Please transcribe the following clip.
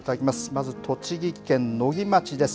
まず、栃木県野木町です。